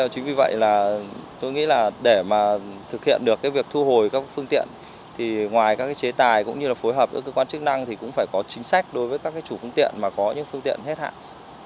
chính vì vậy là tôi nghĩ là để mà thực hiện được cái việc thu hồi các phương tiện thì ngoài các chế tài cũng như là phối hợp với cơ quan chức năng thì cũng phải có chính sách đối với các chủ phương tiện mà có những phương tiện hết hạn